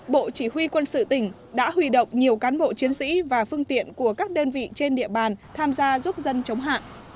bộ chỉ huy quân sự tỉnh đã huy động nhiều cán bộ chiến sĩ và phương tiện của các đơn vị trên địa bàn tham gia giúp dân chống hạn